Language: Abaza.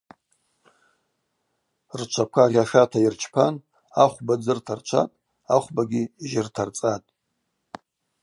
Рчваква гъьашата йырчпан ахвба дзы ртарчватӏ, ахвбагьи жьы ртарцӏатӏ.